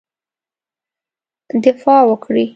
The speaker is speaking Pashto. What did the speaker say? دفاع وکړی.